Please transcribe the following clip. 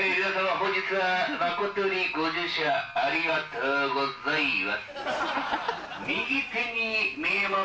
本日は誠にご乗車ありがとうございます。